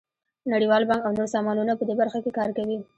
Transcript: نړیوال بانک او نور سازمانونه په دې برخه کې کار کوي.